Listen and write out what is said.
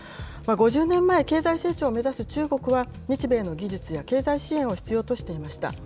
５０年前、経済成長を目指す中国は日米の技術や経済支援を必要としていました。